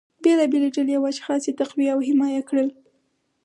بیلابیلې ډلې او اشخاص یې تقویه او حمایه کړل